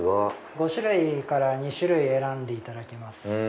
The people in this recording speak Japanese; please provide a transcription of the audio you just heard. ５種類から２種類選んでいただけます。